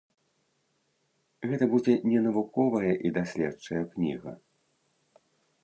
Гэта будзе не навуковая і даследчая кніга.